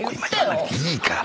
いいから！